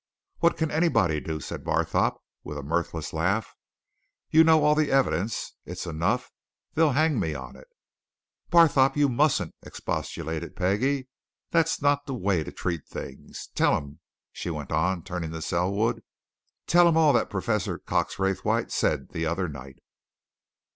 "What can anybody do?" said Barthorpe, with a mirthless laugh. "You know all the evidence. It's enough they'll hang me on it!" "Barthorpe, you mustn't!" expostulated Peggie. "That's not the way to treat things. Tell him," she went on, turning to Selwood, "tell him all that Professor Cox Raythwaite said the other night."